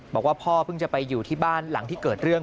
บอกว่าพ่อเพิ่งจะไปอยู่ที่บ้านหลังที่เกิดเรื่อง